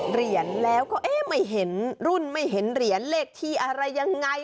เหรียญแล้วก็เอ๊ะไม่เห็นรุ่นไม่เห็นเหรียญเลขที่อะไรยังไง